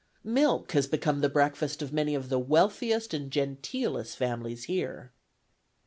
Milk has become the breakfast of many of the wealthiest and genteelest families here."